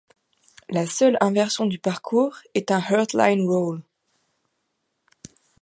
La seule inversion du parcours est un heartline roll.